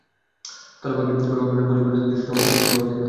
কালো পাগড়ি পরে হরভজন বোলিং করছেন, দৃশ্যটা আপনার চোখের সামনে ভাসারই কথা।